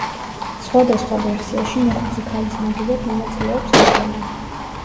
სხვადასხვა ვერსიაში მოხუცი ქალის მაგივრად მონაწილეობს გოგონა.